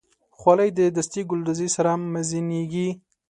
خولۍ د دستي ګلدوزۍ سره مزینېږي.